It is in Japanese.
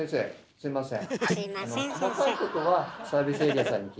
すいません。